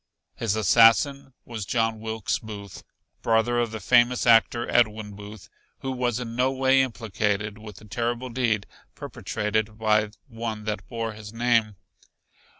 His assassin was John Wilkes Booth, brother of the famous actor, Edwin Booth, who was in no way implicated with the terrible deed perpetrated by one that bore his name.